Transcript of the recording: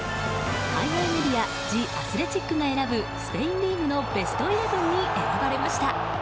海外メディアジ・アスレチックが選ぶスペインリーグのベストイレブンに選ばれました。